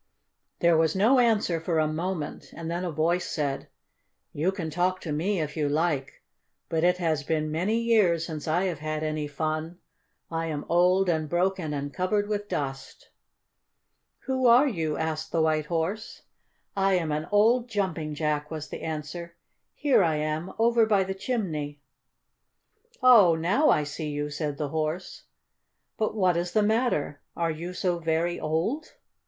There was no answer for a moment, and then a voice said: "You can talk to me, if you like, but it has been many years since I have had any fun. I am old and broken and covered with dust." "Who are you?" asked the White Horse. "I am an old Jumping Jack," was the answer. "Here I am, over by the chimney." "Oh, now I see you!" said the Horse. "But what is the matter? Are you so very old?"